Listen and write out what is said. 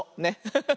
ハハハハ。